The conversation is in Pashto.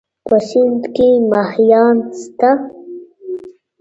په سيند کې مهيان شته؟